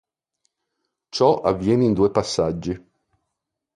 Ciò avviene in due passaggi.